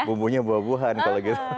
bumbunya buah buahan kalau gitu